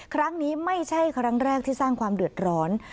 ครั้งนี้ไม่ใช่ครั้งแรกที่สร้างความเดือดร้อน